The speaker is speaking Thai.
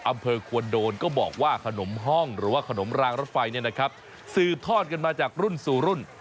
อำเภอควรโดนก็บอกว่าขนมห้องหรือว่าขนมรางรถไฟสืบทอดกันมาจากรุ่นสู่รุ่น